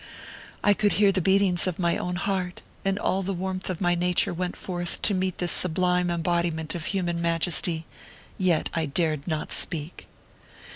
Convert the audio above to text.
I could hear the beatings of my own heart, and all the warmth of my nature went forth to meet this sublime embodiment of human majesty ; yet I dared not speak.